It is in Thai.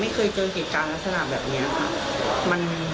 ไม่เคยเจอเหตุการณ์ลักษณะแบบนี้ค่ะ